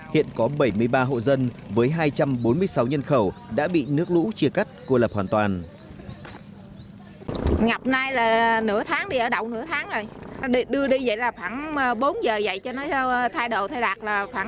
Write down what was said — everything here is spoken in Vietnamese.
hiện có bảy mươi ba hộ dân với hai trăm bốn mươi sáu nhân khẩu đã bị nước lũ chia cắt cô lập hoàn toàn